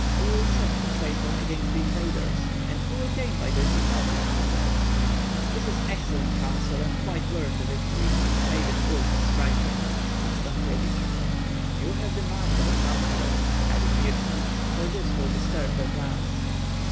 We will set the traitor against the invaders; and who will gain by this, if not the Commonwealth?" "This is excellent counsel, and quite worth the victory. May the bullets strike him!" said Stankyevich. "You have the mind of a chancellor," added Mirski, "for this will disturb their plans."